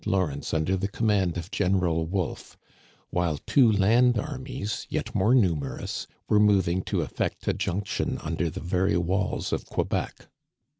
Lawrence under the command of General Wolfe ; while two land armies, yet more numerous, were moving to effect a junction under the very walls of Quebec.